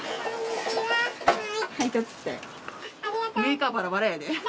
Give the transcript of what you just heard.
メーカーバラバラやで。